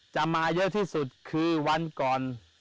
จะมาเยอะที่สุดคือวันก่อน